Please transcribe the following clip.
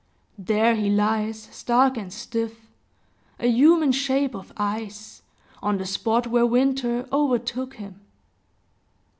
There he lies stark and stiff, a human shape of ice, on the spot where Winter overtook him.